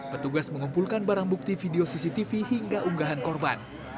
petugas mengumpulkan barang bukti video cctv hingga unggahan korban